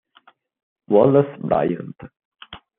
Wallace Bryant